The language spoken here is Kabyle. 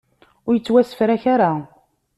Ur yettwasefrak ara.